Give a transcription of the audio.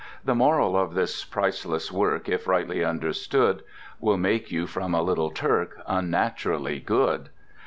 The Moral of this priceless work (If rightly understood) Will make you from a little Turk Unnaturally good.